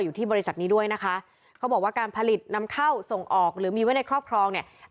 อยู่ที่บริษัทนี้ด้วยนะคะเขาบอกว่าการผลิตนำเข้าส่งออกหรือมีไว้ในครอบครองเนี่ย